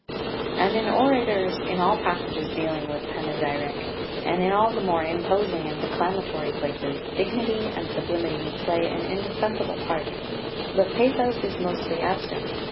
3 And in orators, in all passages dealing with panegyric, and in all the more imposing and declamatory places, dignity and sublimity play an indispensable part; but pathos is mostly absent.